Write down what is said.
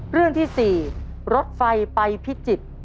เรื่องที่๔รถไฟไปพิจิตร